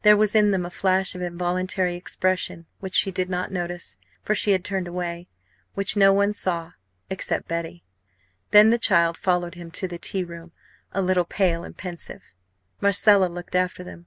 There was in them a flash of involuntary expression, which she did not notice for she had turned away which no one saw except Betty. Then the child followed him to the tea room, a little pale and pensive. Marcella looked after them.